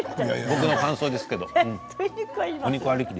僕の感想ですけど。